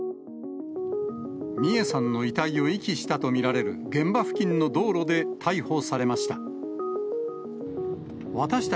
美恵さんの遺体を遺棄したと見られる現場付近の道路で逮捕されました。